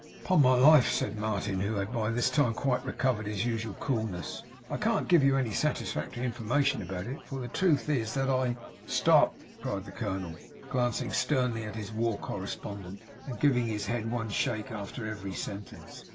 'Upon my life,' said Martin, who had by this time quite recovered his usual coolness, 'I can't give you any satisfactory information about it; for the truth is that I ' 'Stop!' cried the colonel, glancing sternly at his war correspondent and giving his head one shake after every sentence.